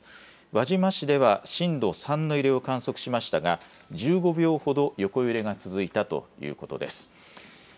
輪島市では震度３の揺れを観測しましたが１５秒ほど横揺れが続いたということです。